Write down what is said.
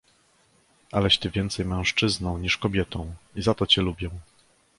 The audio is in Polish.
"aleś ty więcej mężczyzną niż kobietą i za to ciebie lubię!"